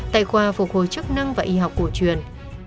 tại khoa phục hồi chức năng và y học cổ truyền